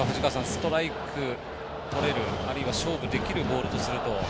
ストライクとれるあるいは勝負できるボールとすると。